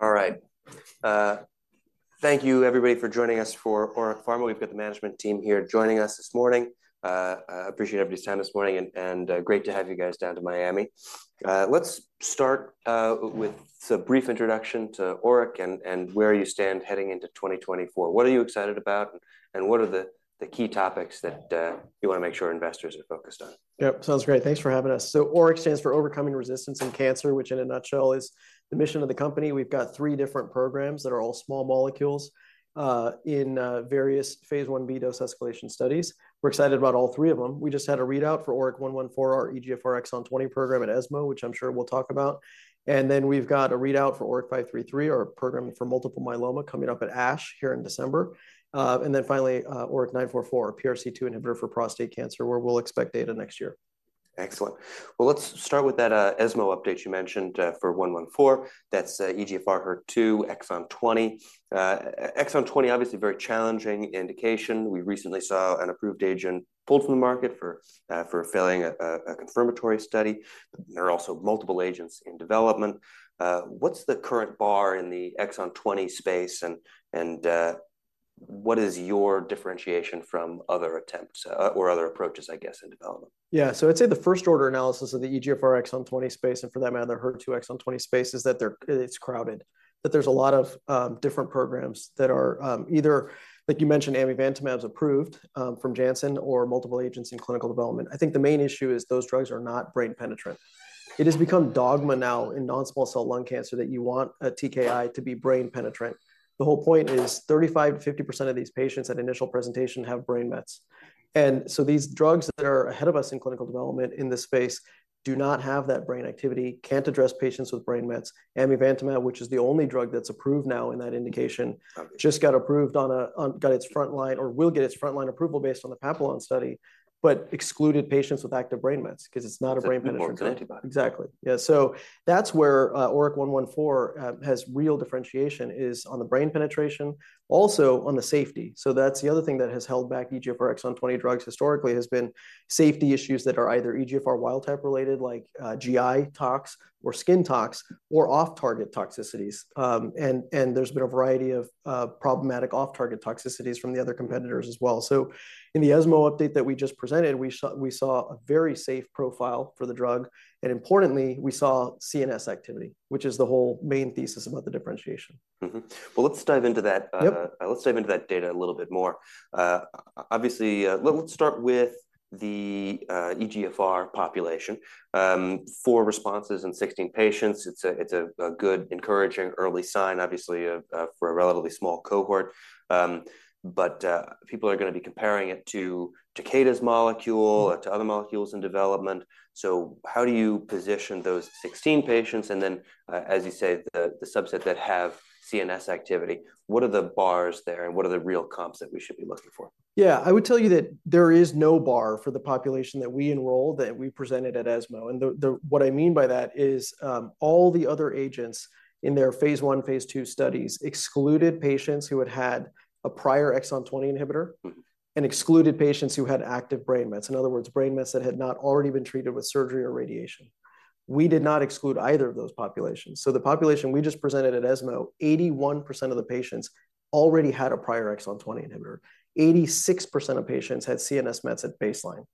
All right. Thank you, everybody, for joining us for ORIC Pharmaceuticals. We've got the management team here joining us this morning. I appreciate everybody's time this morning, and great to have you guys down to Miami. Let's start with a brief introduction to ORIC and where you stand heading into 2024. What are you excited about, and what are the key topics that you want to make sure investors are focused on? Yep, sounds great. Thanks for having us. So ORIC stands for Overcoming Resistance in Cancer, which, in a nutshell, is the mission of the company. We've got three different programs that are all small molecules in various phase I-B dose-escalation studies. We're excited about all three of them. We just had a readout for ORIC-114, our EGFR exon 20 program at ESMO, which I'm sure we'll talk about. And then we've got a readout for ORIC-533, our program for multiple myeloma, coming up at ASH here in December. And then finally, ORIC-944, PRC2 inhibitor for prostate cancer, where we'll expect data next year.// Excellent. Well, let's start with that, ESMO update you mentioned, for 114. That's EGFR HER2 exon 20. Exon 20, obviously a very challenging indication. We recently saw an approved agent pulled from the market for failing a confirmatory study. There are also multiple agents in development. What's the current bar in the exon 20 space, and what is your differentiation from other attempts, or other approaches, I guess, in development? Yeah. So I'd say the first-order analysis of the EGFR exon 20 space, and for that matter, the HER2 exon 20 space, is that they're, it's crowded, that there's a lot of different programs that are either... Like you mentioned, amivantamab is approved from Janssen, or multiple agents in clinical development. I think the main issue is those drugs are not brain-penetrant. It has become dogma now in non-small cell lung cancer that you want a TKI to be brain-penetrant. The whole point is 35%-50% of these patients at initial presentation have brain mets. And so these drugs that are ahead of us in clinical development in this space do not have that brain activity, can't address patients with brain mets. Amivantamab, which is the only drug that's approved now in that indication- Okay... just got approved, got its front-line approval based on the PAPILLON study, but excluded patients with active brain mets because it's not a brain-penetrant. It's a more antibody. Exactly. Yeah, so that's where ORIC-114 has real differentiation, is on the brain penetration, also on the safety. So that's the other thing that has held back EGFR exon 20 drugs historically, has been safety issues that are either EGFR wild type-related, like GI tox or skin tox, or off-target toxicities. And there's been a variety of problematic off-target toxicities from the other competitors as well. So in the ESMO update that we just presented, we saw a very safe profile for the drug, and importantly, we saw CNS activity, which is the whole main thesis about the differentiation. Mm-hmm. Well, let's dive into that. Yep. Let's dive into that data a little bit more. Obviously, let's start with the EGFR population. Four responses in 16 patients, it's a good encouraging early sign, obviously, for a relatively small cohort. But people are gonna be comparing it to Takeda's molecule or to other molecules in development. So how do you position those 16 patients, and then, as you say, the subset that have CNS activity? What are the bars there, and what are the real comps that we should be looking for? Yeah. I would tell you that there is no bar for the population that we enrolled, that we presented at ESMO. And what I mean by that is, all the other agents in their phase I, phase II studies excluded patients who had had a prior exon 20 inhibitor- Mm-hmm... and excluded patients who had active brain mets. In other words, brain mets that had not already been treated with surgery or radiation. We did not exclude either of those populations. So the population we just presented at ESMO, 81% of the patients already had a prior exon 20 inhibitor. 86% of patients had CNS mets at baseline.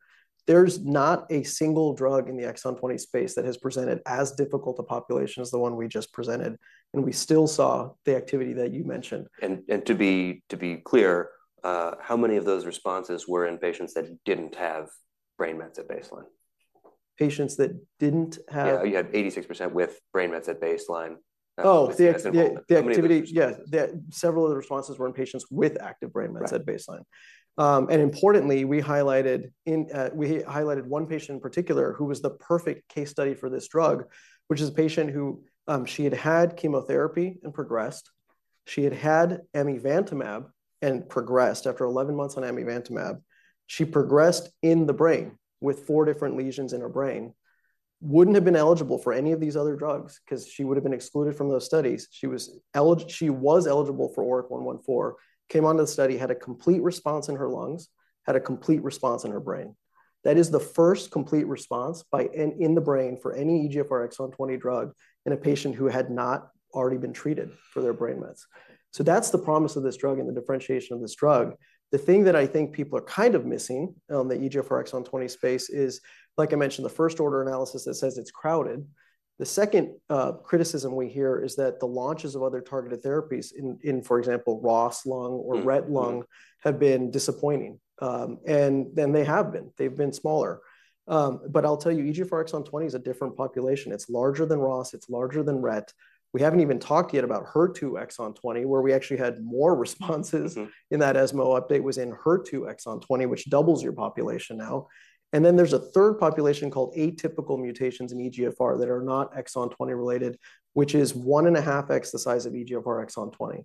There's not a single drug in the exon 20 space that has presented as difficult a population as the one we just presented, and we still saw the activity that you mentioned. To be clear, how many of those responses were in patients that didn't have brain mets at baseline? Patients that didn't have- Yeah, you had 86% with brain mets at baseline. Oh, the, Yes... the activity- How many- Yeah, several of the responses were in patients with active brain mets- Right... at baseline. And importantly, we highlighted in, we highlighted one patient in particular who was the perfect case study for this drug, which is a patient who, she had had chemotherapy and progressed. She had had amivantamab and progressed. After 11 months on amivantamab, she progressed in the brain with four different lesions in her brain. Wouldn't have been eligible for any of these other drugs because she would have been excluded from those studies. She was eligible for ORIC-114, came onto the study, had a complete response in her lungs, had a complete response in her brain. That is the first complete response in the brain for any EGFR exon 20 drug in a patient who had not already been treated for their brain mets. So that's the promise of this drug and the differentiation of this drug. The thing that I think people are kind of missing on the EGFR exon 20 space is, like I mentioned, the first-order analysis that says it's crowded. The second criticism we hear is that the launches of other targeted therapies in, for example, ROS lung or RET lung, have been disappointing. And they have been. They've been smaller. But I'll tell you, EGFR exon 20 is a different population. It's larger than ROS, it's larger than RET. We haven't even talked yet about HER2 exon 20, where we actually had more responses- Mm-hmm... in that ESMO update, was in HER2 exon 20, which doubles your population now. And then there's a third population called atypical mutations in EGFR that are not exon 20-related, which is 1.5x the size of EGFR exon 20.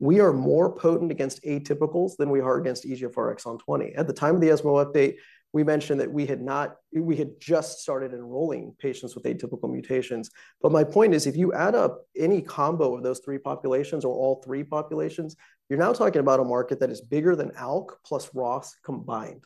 We are more potent against atypicals than we are against EGFR exon 20. At the time of the ESMO update, we mentioned that we had just started enrolling patients with atypical mutations. But my point is, if you add up any combo of those three populations or all three populations, you're now talking about a market that is bigger than ALK plus ROS combined....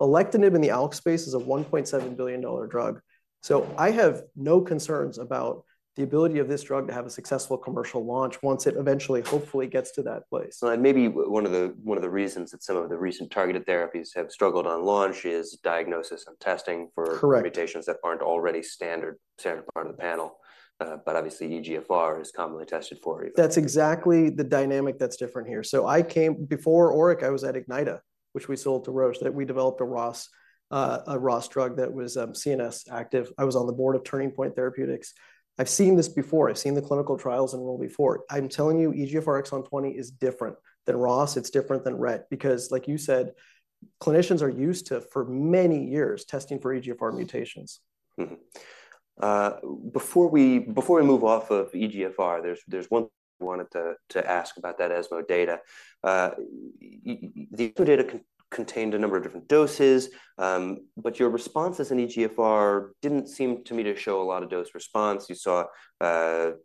alectinib in the ALK space is a $1.7 billion drug. So I have no concerns about the ability of this drug to have a successful commercial launch once it eventually, hopefully, gets to that place. And maybe one of the reasons that some of the recent targeted therapies have struggled on launch is diagnosis and testing for- Correct mutations that aren't already standard part of the panel. But obviously, EGFR is commonly tested for. That's exactly the dynamic that's different here. So I came before ORIC, I was at Ignyta, which we sold to Roche, that we developed a ROS, a ROS drug that was, CNS active. I was on the board of Turning Point Therapeutics. I've seen this before. I've seen the clinical trials unfold before. I'm telling you, EGFR exon 20 is different than ROS, it's different than RET, because, like you said, clinicians are used to, for many years, testing for EGFR mutations. Mm-hmm. Before we move off of EGFR, there's one thing I wanted to ask about that ESMO data. The data contained a number of different doses, but your responses in EGFR didn't seem to me to show a lot of dose response. You saw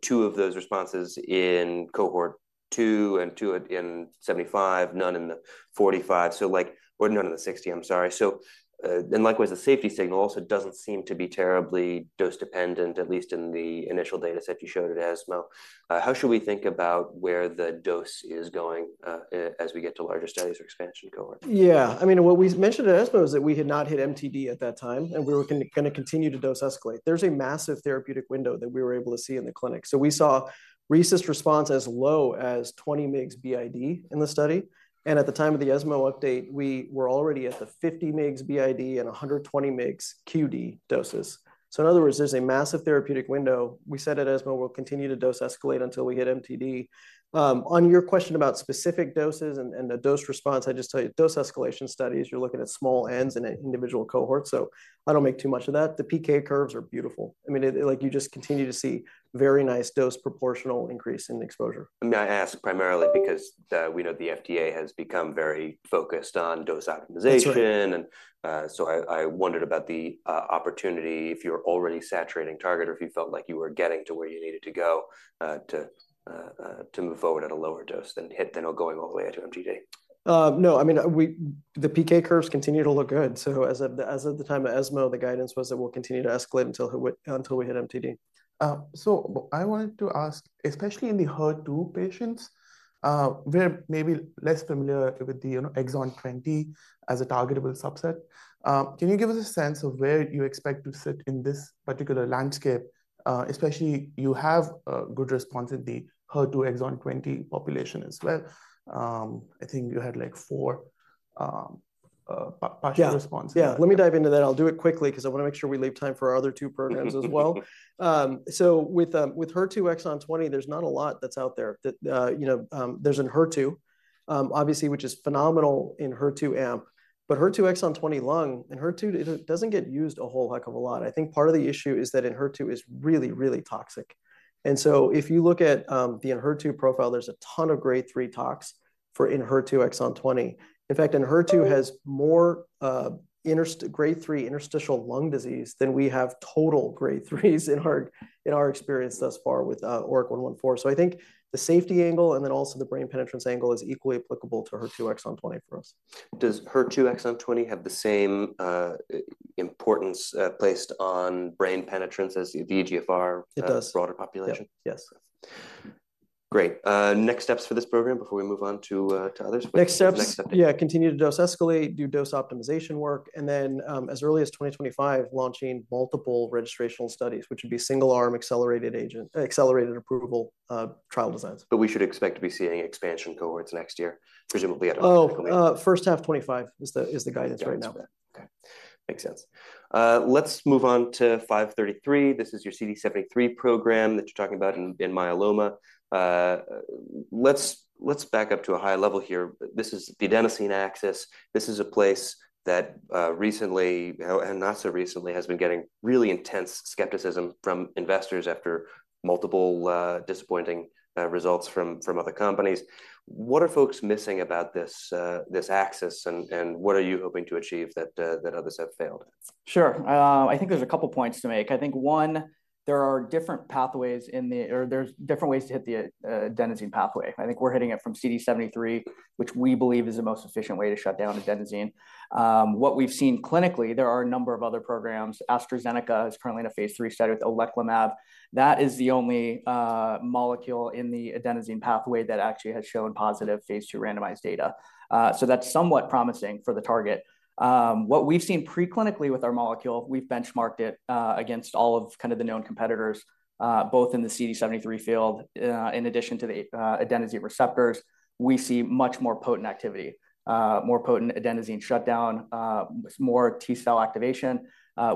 two of those responses in cohort 2 and two in 75, none in the 45, so like or none in the 60, I'm sorry. So, and likewise, the safety signal also doesn't seem to be terribly dose-dependent, at least in the initial data set you showed at ESMO. How should we think about where the dose is going as we get to larger studies or expansion cohort? Yeah. I mean, what we mentioned at ESMO is that we had not hit MTD at that time, and we were gonna continue to dose escalate. There's a massive therapeutic window that we were able to see in the clinic. So we saw robust response as low as 20 mg BID in the study, and at the time of the ESMO update, we were already at the 50 mg BID and 120 mg QD doses. So in other words, there's a massive therapeutic window. We said at ESMO we'll continue to dose escalate until we hit MTD. On your question about specific doses and the dose response, I just tell you, dose escalation studies, you're looking at small n's in an individual cohort, so I don't make too much of that. The PK curves are beautiful. I mean, it, like, you just continue to see very nice dose proportional increase in exposure. I mean, I ask primarily because, we know the FDA has become very focused on dose optimization- That's right. and, so I wondered about the opportunity if you're already saturating target or if you felt like you were getting to where you needed to go, to move forward at a lower dose than hit, than going all the way out to MTD. No, I mean, the PK curves continue to look good. So as of the time of ESMO, the guidance was that we'll continue to escalate until we hit MTD. So I wanted to ask, especially in the HER2 patients, we're maybe less familiar with the, you know, exon 20 as a targetable subset. Can you give us a sense of where you expect to sit in this particular landscape? Especially, you have a good response in the HER2 exon 20 population as well. I think you had, like, four partial response. Yeah. Yeah, let me dive into that. I'll do it quickly because I wanna make sure we leave time for our other two programs as well. So with with HER2 exon 20, there's not a lot that's out there. That, you know, there's ENHERTU, obviously, which is phenomenal in HER2 amp. But HER2 exon 20 lung, ENHERTU it doesn't get used a whole heck of a lot. I think part of the issue is that ENHERTU is really, really toxic. And so if you look at the ENHERTU profile, there's a ton of Grade 3 tox for ENHERTU exon 20. In fact, ENHERTU has more Grade 3 interstitial lung disease than we have total Grade 3s in our experience thus far with ORIC-114. I think the safety angle, and then also the brain penetrance angle, is equally applicable to HER2 exon 20 for us. Does HER2 exon 20 have the same importance placed on brain penetrance as the EGFR- It does - broader population? Yeah. Yes. Great. Next steps for this program before we move on to others. Next steps- Next steps. Yeah, continue to dose escalate, do dose optimization work, and then, as early as 2025, launching multiple registrational studies, which would be single-arm, accelerated agent, accelerated approval, trial designs. But we should expect to be seeing expansion cohorts next year, presumably at- Oh, first half 2025 is the guidance right now. Okay. Makes sense. Let's move on to 533. This is your CD73 program that you're talking about in myeloma. Let's back up to a high level here. This is the adenosine axis. This is a place that recently and not so recently has been getting really intense skepticism from investors after multiple disappointing results from other companies. What are folks missing about this axis, and what are you hoping to achieve that others have failed at? Sure. I think there's a couple points to make. I think, one, there are different pathways in the or there's different ways to hit the adenosine pathway. I think we're hitting it from CD73, which we believe is the most efficient way to shut down adenosine. What we've seen clinically, there are a number of other programs. AstraZeneca is currently in a phase III study with oleclumab. That is the only molecule in the adenosine pathway that actually has shown positive phase II randomized data. So that's somewhat promising for the target. What we've seen preclinically with our molecule, we've benchmarked it against all of kind of the known competitors, both in the CD73 field, in addition to the adenosine receptors. We see much more potent activity, more potent adenosine shutdown, more T-cell activation.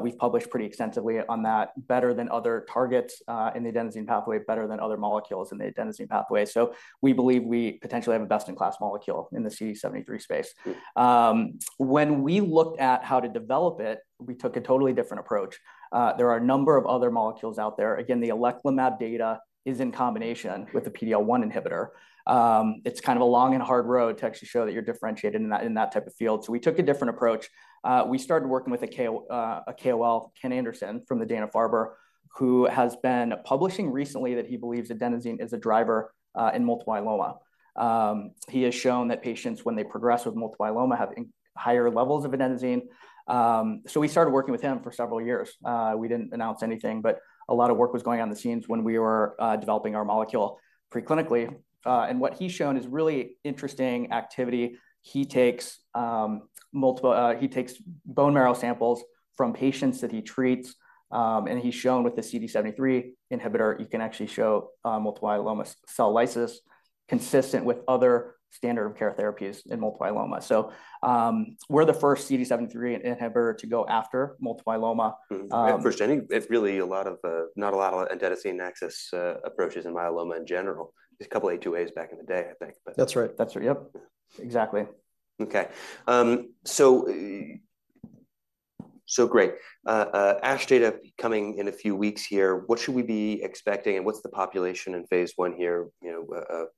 We've published pretty extensively on that. Better than other targets in the adenosine pathway, better than other molecules in the adenosine pathway. So we believe we potentially have a best-in-class molecule in the CD73 space. When we looked at how to develop it, we took a totally different approach. There are a number of other molecules out there. Again, the oleclumab data is in combination with the PD-L1 inhibitor. It's kind of a long and hard road to actually show that you're differentiated in that, in that type of field. So we took a different approach. We started working with a KOL, Kenneth Anderson from the Dana-Farber, who has been publishing recently that he believes adenosine is a driver in multiple myeloma. He has shown that patients, when they progress with multiple myeloma, have higher levels of adenosine. So we started working with him for several years. We didn't announce anything, but a lot of work was going on behind the scenes when we were developing our molecule preclinically. And what he's shown is really interesting activity. He takes multiple bone marrow samples from patients that he treats, and he's shown with the CD73 inhibitor, you can actually show multiple myeloma cell lysis.... consistent with other standard of care therapies in multiple myeloma. So, we're the first CD73 inhibitor to go after multiple myeloma. Mm-hmm. At first, anyway, it's really a lot of, not a lot of adenosine axis approaches in myeloma in general. There's a couple of A2As back in the day, I think, but- That's right. That's right. Yep. Yeah. Exactly. Okay. So great. ASH data coming in a few weeks here, what should we be expecting, and what's the population in phase I here, you know,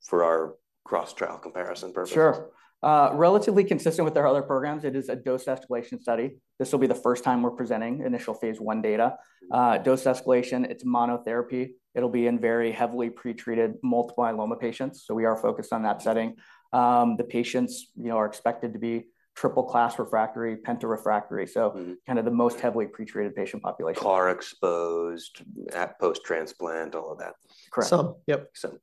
for our cross-trial comparison purpose? Sure. Relatively consistent with our other programs, it is a dose-escalation study. This will be the first time we're presenting initial phase I data. Dose escalation, it's monotherapy. It'll be in very heavily pretreated multiple myeloma patients, so we are focused on that setting. The patients, you know, are expected to be triple-class refractory, penta-refractory. Mm-hmm. So kind of the most heavily pretreated patient population. CAR-exposed, at post-transplant, all of that. Correct. Some, yep. Some.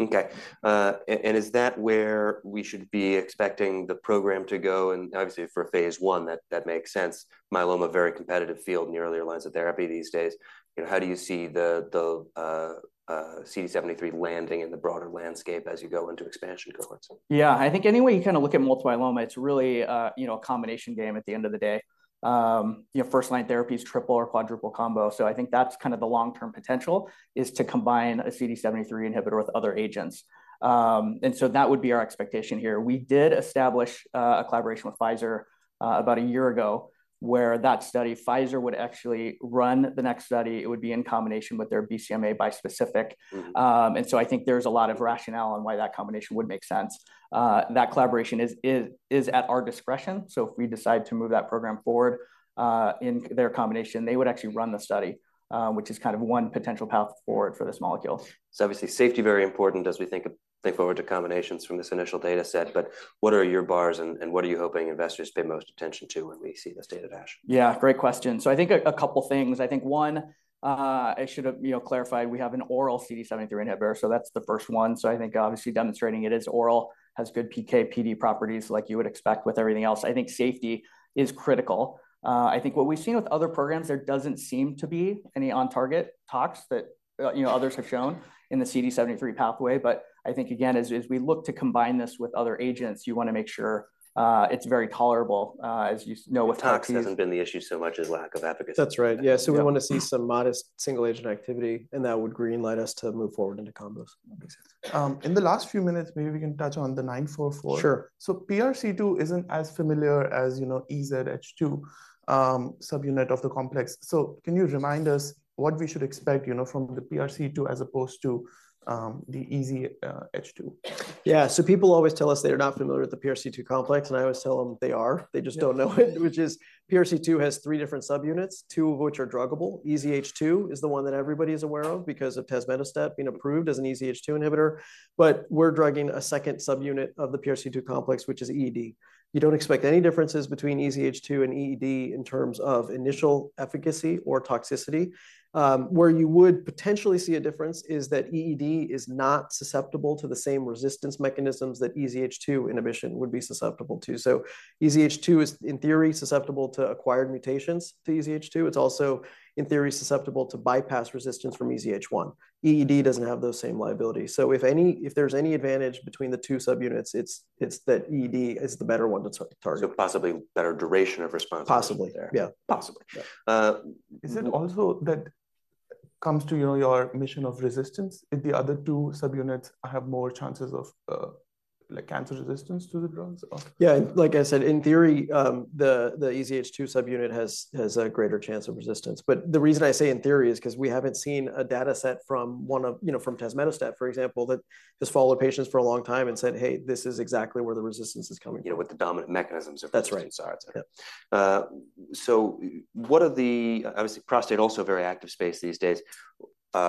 Okay. And is that where we should be expecting the program to go? And obviously, for phase I, that makes sense. Myeloma, a very competitive field in the earlier lines of therapy these days. You know, how do you see the CD73 landing in the broader landscape as you go into expansion cohorts? Yeah, I think any way you kind of look at multiple myeloma, it's really, you know, a combination game at the end of the day. You know, first-line therapy is triple or quadruple combo, so I think that's kind of the long-term potential, is to combine a CD73 inhibitor with other agents. And so that would be our expectation here. We did establish a collaboration with Pfizer about a year ago, where that study, Pfizer would actually run the next study. It would be in combination with their BCMA bispecific. Mm-hmm. And so I think there's a lot of rationale on why that combination would make sense. That collaboration is at our discretion, so if we decide to move that program forward, in their combination, they would actually run the study, which is kind of one potential path forward for this molecule. So obviously, safety, very important as we think forward to combinations from this initial data set. But what are your bars, and what are you hoping investors pay most attention to when we see this data at ASH? Yeah, great question. So I think a couple things. I think, one, I should have, you know, clarified, we have an oral CD73 inhibitor, so that's the first one. So I think obviously demonstrating it as oral has good PK/PD properties like you would expect with everything else. I think safety is critical. I think what we've seen with other programs, there doesn't seem to be any on-target tox that, you know, others have shown in the CD73 pathway. But I think, again, as we look to combine this with other agents, you want to make sure, it's very tolerable, as you know, with- Tox hasn't been the issue so much as lack of efficacy. That's right. Yeah. Yeah. So we want to see some modest single-agent activity, and that would green-light us to move forward into combos. Makes sense. In the last few minutes, maybe we can touch on the 944. Sure. PRC2 isn't as familiar as, you know, EZH2, subunit of the complex. Can you remind us what we should expect, you know, from the PRC2 as opposed to the EZH2? Yeah. So people always tell us they are not familiar with the PRC2 complex, and I always tell them they are. Yeah. They just don't know it, which is... PRC2 has three different subunits, two of which are druggable. EZH2 is the one that everybody is aware of because of tazemetostat being approved as an EZH2 inhibitor. But we're drugging a second subunit of the PRC2 complex, which is EED. You don't expect any differences between EZH2 and EED in terms of initial efficacy or toxicity. Where you would potentially see a difference is that EED is not susceptible to the same resistance mechanisms that EZH2 inhibition would be susceptible to. So EZH2 is, in theory, susceptible to acquired mutations to EZH2. It's also, in theory, susceptible to bypass resistance from EZH1. EED doesn't have those same liabilities. So if there's any advantage between the two subunits, it's that EED is the better one to target. Possibly better duration of response there. Possibly. Yeah, possibly. Uh- Is it also that comes to, you know, your mission of resistance, if the other two subunits have more chances of, like, cancer resistance to the drugs or? Yeah, like I said, in theory, the EZH2 subunit has a greater chance of resistance. But the reason I say in theory is 'cause we haven't seen a data set from one of, you know, from tazemetostat, for example, that has followed patients for a long time and said, "Hey, this is exactly where the resistance is coming from. You know, what the dominant mechanisms of resistance are. That's right. Yeah. So what are the... Obviously, prostate, also a very active space these days.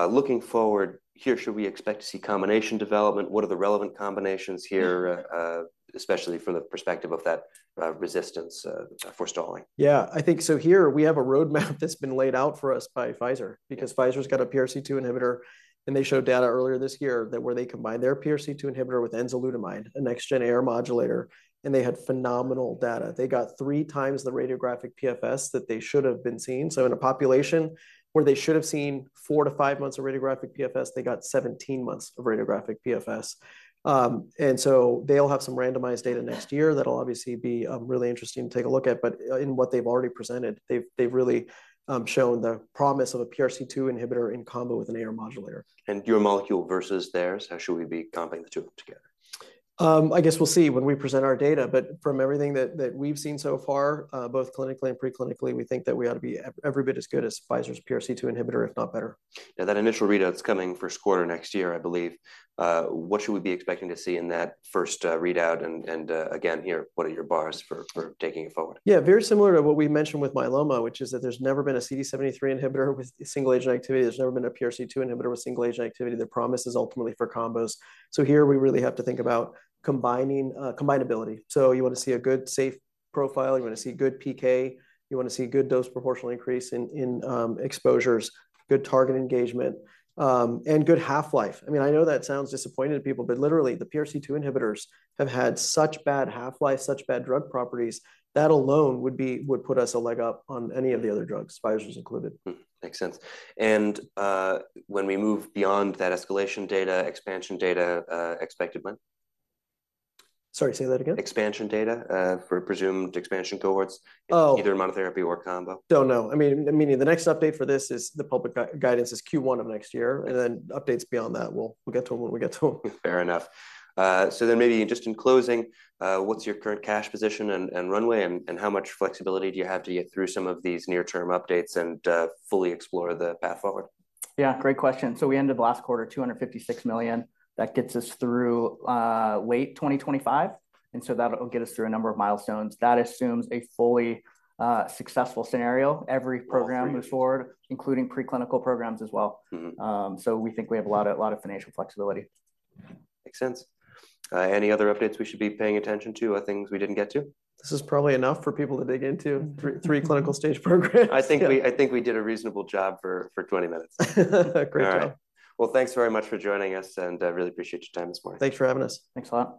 Looking forward, here, should we expect to see combination development? What are the relevant combinations here, especially from the perspective of that, resistance, forestalling? Yeah, I think so here, we have a roadmap that's been laid out for us by Pfizer, because Pfizer's got a PRC2 inhibitor, and they showed data earlier this year that where they combined their PRC2 inhibitor with enzalutamide, a next-gen AR modulator, and they had phenomenal data. They got three times the radiographic PFS that they should have been seeing. So in a population where they should have seen four to five months of radiographic PFS, they got 17 months of radiographic PFS. And so they'll have some randomized data next year that'll obviously be really interesting to take a look at. But in what they've already presented, they've really shown the promise of a PRC2 inhibitor in combo with an AR modulator. Your molecule versus theirs, how should we be combining the two of them together? I guess we'll see when we present our data, but from everything that we've seen so far, both clinically and preclinically, we think that we ought to be every bit as good as Pfizer's PRC2 inhibitor, if not better. Yeah, that initial readout's coming first quarter next year, I believe. What should we be expecting to see in that first readout, and again, here, what are your bars for taking it forward? Yeah, very similar to what we mentioned with myeloma, which is that there's never been a CD73 inhibitor with single-agent activity. There's never been a PRC2 inhibitor with single-agent activity. The promise is ultimately for combos. So here, we really have to think about combining, combinability. So you want to see a good, safe profile. You want to see good PK. You want to see good dose proportional increase in exposures, good target engagement, and good half-life. I mean, I know that sounds disappointing to people, but literally, the PRC2 inhibitors have had such bad half-life, such bad drug properties, that alone would put us a leg up on any of the other drugs, Pfizer's included. Makes sense. And, when we move beyond that escalation data, expansion data, expected when? Sorry, say that again. Expansion data for presumed expansion cohorts- Oh... either monotherapy or combo. Don't know. I mean, the next update for this is the public guidance is Q1 of next year, and then updates beyond that we'll get to them when we get to them. Fair enough. So then maybe just in closing, what's your current cash position and, and runway, and, and how much flexibility do you have to get through some of these near-term updates and fully explore the path forward? Yeah, great question. So we ended the last quarter, $256 million. That gets us through late 2025, and so that'll get us through a number of milestones. That assumes a fully successful scenario, every program- All three... moves forward, including preclinical programs as well. Mm-hmm. We think we have a lot of, lot of financial flexibility. Makes sense. Any other updates we should be paying attention to or things we didn't get to? This is probably enough for people to dig into, three, three clinical stage programs. I think we did a reasonable job for 20 minutes. Great job. All right. Well, thanks very much for joining us, and I really appreciate your time this morning. Thanks for having us. Thanks a lot.